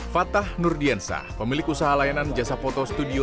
fatah nurdiansah pemilik usaha layanan jasa foto studio